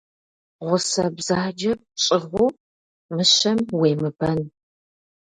Гъусэ бзаджэ пщӏыгъуу мыщэм уемыбэн.